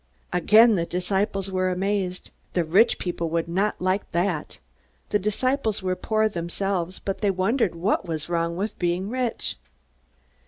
Again the disciples were amazed. The rich people would not like that! The disciples were poor themselves, but they wondered what was wrong with being rich.